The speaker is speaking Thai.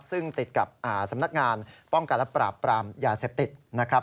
ซึ่งติดกับสำนักงานป้องกันและปราบปรามยาเสพติดนะครับ